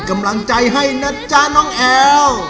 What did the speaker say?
มาน้องแอว